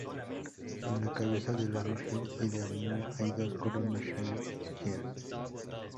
En la cabeza de la Virgen y del Niño hay dos coronas regias.